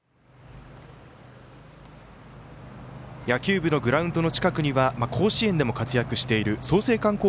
野球部のグラウンドの近くには甲子園でも活躍している創成館